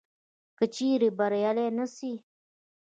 که چیري بریالي نه سي